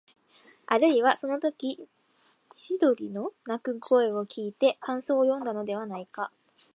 あるいは、そのとき千鳥の鳴く声をきいて感想をよんだのではないか、